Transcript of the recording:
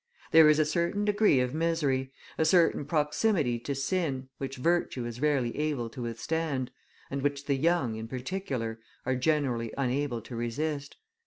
There is a certain degree of misery, a certain proximity to sin, which virtue is rarely able to withstand, and which the young, in particular, are generally unable to resist.